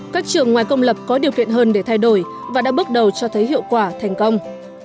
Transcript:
các trường ngoài công lập có điều kiện hơn để thay đổi và đã bước đầu cho thấy hiệu quả thành công